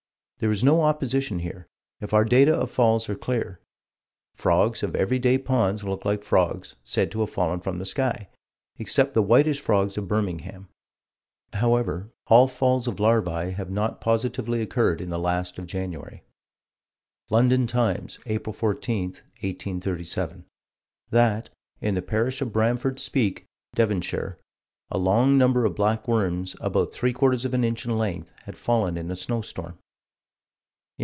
There is no opposition here, if our data of falls are clear. Frogs of every day ponds look like frogs said to have fallen from the sky except the whitish frogs of Birmingham. However, all falls of larvae have not positively occurred in the last of January: London Times, April 14, 1837: That, in the parish of Bramford Speke, Devonshire, a large number of black worms, about three quarters of an inch in length, had fallen in a snowstorm.